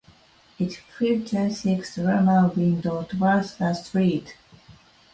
It features six dormer windows towards the street.